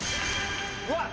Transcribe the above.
うわっ！